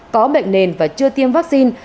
có bệnh nền và chưa tiêm vaccine